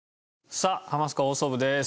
さあ『ハマスカ放送部』です。